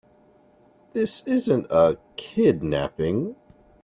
This isn't a kidnapping.